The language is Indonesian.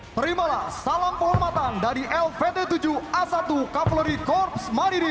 terimalah salam penghormatan dari lvt tujuh a satu cavalry corps marinir